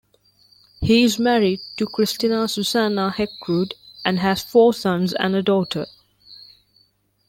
He is married to Christina Susanna Heckroodt and has four sons and a daughter.